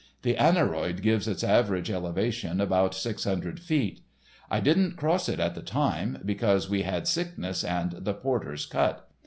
The aneroid gives its average elevation about six hundred feet. I didn't cross it at the time, because we had sickness and the porters cut.